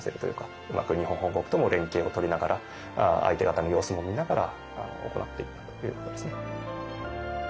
うまく日本本国とも連携をとりながら相手方の様子も見ながら行っていったということですね。